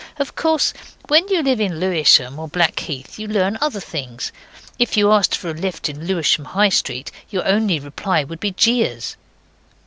Of course when you live in Lewisham or Blackheath you learn other things. If you asked for a lift in Lewisham, High Street, your only reply would be jeers.